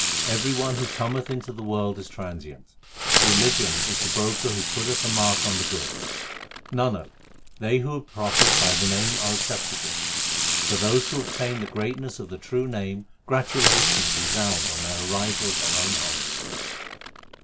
Every one who cometh into the world is transient. Religion is the broker who putteth a mark on the goods. Nanak, they who profit by the Name are acceptable. For those who obtain the greatness of the true Name Gratulations resound on their arrival at their own homes.